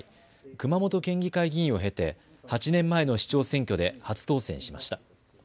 熊本県議会議員を経て８年前の市長選挙で初当選しました。